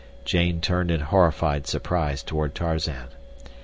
Jane turned in horrified surprise toward Tarzan.